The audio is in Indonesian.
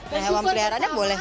nah hewan peliharaannya boleh